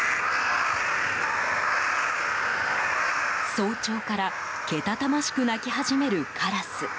早朝からけたたましく鳴き始めるカラス。